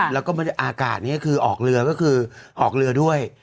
แล้วก็บรรยากาศนี้คือออกเรือก็คือออกเรือด้วย